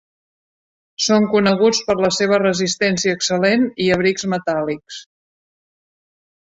Són coneguts per la seva resistència excel·lent i abrics "metàl·lics".